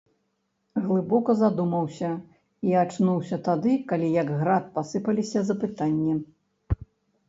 Глыбока задумаўся і ачнуўся тады, калі як град пасыпаліся запытанні.